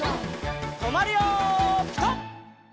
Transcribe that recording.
とまるよピタ！